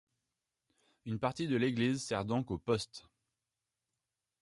Une partie de l'église sert donc aux postes.